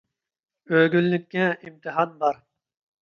ئۆگۈنلۈككە ئىمتىھان بار.